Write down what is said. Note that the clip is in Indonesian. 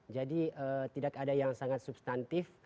jadi tidak ada yang sangat substantif